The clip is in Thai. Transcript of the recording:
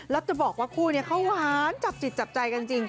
แล้วจะบอกว่าคู่นี้เขาหวานจับจิตจับใจกันจริง